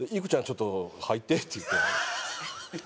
ちょっと入って」って言うて。